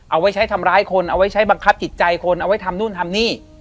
เอาไว้ใช้ทำร้ายคนเอาไว้ใช้บังคับจิตใจคนเอาไว้ทำนู่นทำนี่